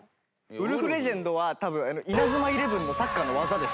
ウルフレジェンドは多分『イナズマイレブン』のサッカーの技です。